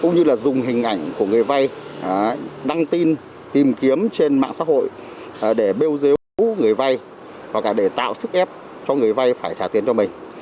cũng như là dùng hình ảnh của người vay đăng tin tìm kiếm trên mạng xã hội để bêu dếu người vay và cả để tạo sức ép cho người vay phải trả tiền cho mình